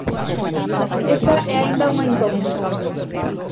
Esa é aínda unha incógnita.